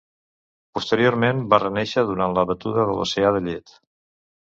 Posteriorment va renéixer durant la batuda de l'oceà de llet.